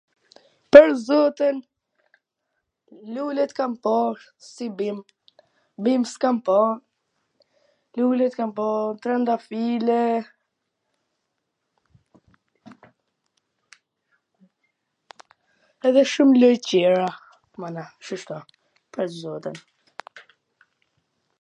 Pwr zotin, lulet kam pa si bim, bim s kam pa, lulet kam pa, trwndafile, edhe shum lule tjera, mana, shishto, pwr zotin.